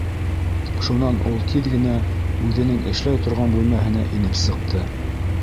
Шунан ул тиҙ генә үҙенең эшләй торған бүлмәһенә инеп сыҡты.